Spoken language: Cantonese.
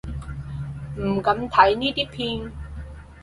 唔敢睇呢啲片